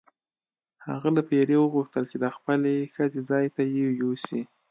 هغه له پیري وغوښتل چې د خپلې ښځې ځای ته یې یوسي.